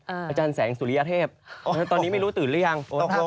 อาจารย์แสงสุริยเทพตอนนี้ไม่รู้ตื่นหรือยัง